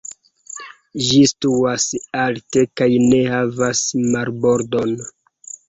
Ĝi situas alte kaj ne havas marbordon.